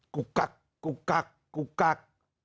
กุกกักกุกกักกุกกัก